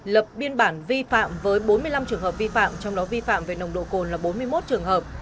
lập biên bản vi phạm với bốn mươi năm trường hợp vi phạm trong đó vi phạm về nồng độ cồn là bốn mươi một trường hợp